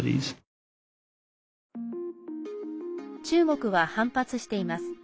中国は反発しています。